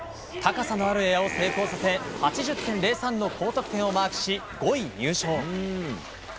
高さのあるエアを成功させ８０．０３の高得点をマークし５位入賞。